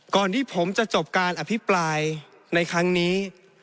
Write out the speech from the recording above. ก่อนที่ผมจะจบการอภิปรายในครั้งนี้